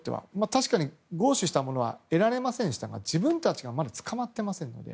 確かに強取したものは得られませんが自分たちがまだ捕まっていませんので。